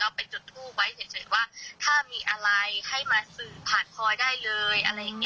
แล้วหลังจากนั้นน้องก็เลยเข้ามาได้เต็มที่เลย